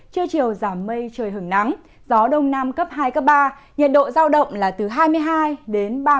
trưa chiều giảm mây trời hứng nắng gió đông nam cấp hai cấp ba nhiệt độ giao động là từ hai mươi hai đến ba mươi độ